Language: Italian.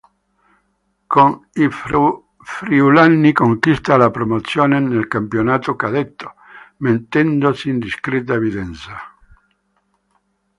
Con i friulani conquista la promozione nel campionato cadetto, mettendosi in discreta evidenza.